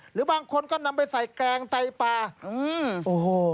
หรือบางคนก็นำไปใส่แกงไตปลาอืมโอ้โห